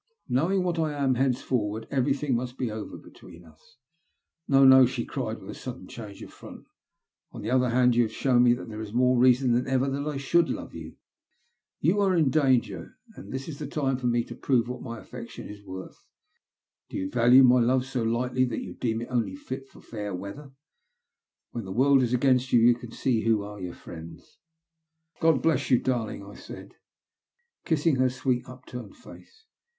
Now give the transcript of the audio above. '' Knowing what I am, henceforward everything must be over between us." '' No, no !" she cried, with a sudden change of front. On the other hand, you have shown me that there is more reason than ever that I should love you. If you are in danger, this is the time for me to prove what my affection is worth. Do you value my love so lightly that you deem it only fit for fair weather? W hen the world is against you, you can see who are your friends." God bless you, darling," I said, kissing her sweet upturned face.